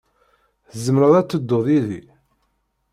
Tzemreḍ ad tedduḍ yid-i.